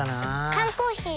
缶コーヒー